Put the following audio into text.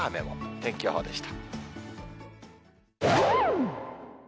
天気予報でした。